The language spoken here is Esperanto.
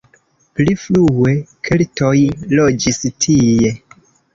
Pli frue keltoj loĝis tie.